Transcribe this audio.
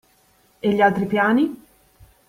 E gli altri piani?